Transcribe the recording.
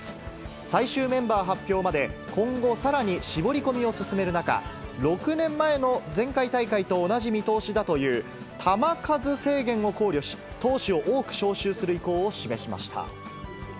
最終メンバー発表まで今後さらに絞り込みを進める中、６年前の前回大会と同じ見通しだという、球数制限を考慮し、投手を多く招集する意向を示しました。